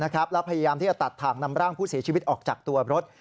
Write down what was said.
แล้วพยายามที่จะตัดถ่างนำร่างผู้เสียชีวิตออกจากตัวรถ